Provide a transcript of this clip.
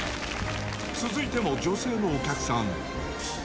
続いても女性のお客さん。